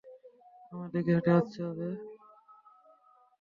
আমার দিকে হেঁটে আসছে সে।